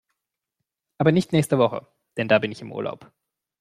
Aber nicht nächste Woche, denn da bin ich im Urlaub.